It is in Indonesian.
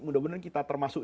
mudah mudahan kita termasuk